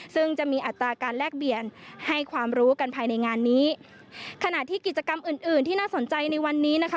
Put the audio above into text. ซึ่งจะมีอัตราการแลกเบียนให้ความรู้กันภายในงานนี้ขณะที่กิจกรรมอื่นอื่นที่น่าสนใจในวันนี้นะคะ